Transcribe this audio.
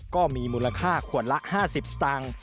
ก็มีมูลค่าขวดละ๕๐สตางค์